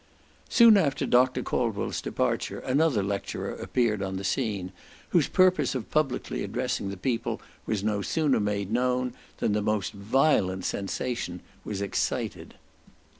Soon after Dr. Caldwell's departure, another lecturer appeared upon the scene, whose purpose of publicly addressing the people was no sooner made known, than the most violent sensation was excited.